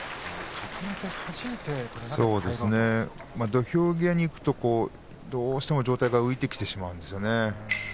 土俵際に行くとどうしても上体が浮いてきてしまうんですね。